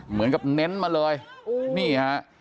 เหมือนกับเน้นมาเลยนี่ฮะ